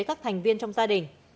các thành viên trong gia đình